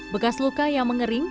bekas luka yang mengering